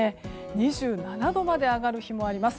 ２７度まで上がる日もあります。